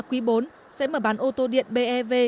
quý bốn sẽ mở bán ô tô điện bev